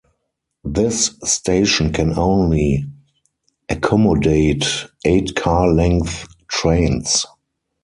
This station can only accommodate eight-car length trains.